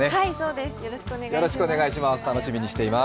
よろしくお願いします